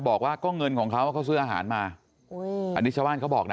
บอกว่าก็เงินของเขาเขาซื้ออาหารมาอุ้ยอันนี้ชาวบ้านเขาบอกนะ